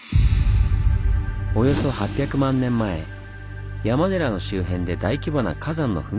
およそ８００万年前山寺の周辺で大規模な火山の噴火がありました。